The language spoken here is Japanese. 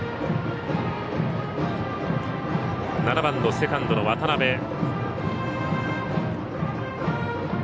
７番のセカンドの渡辺。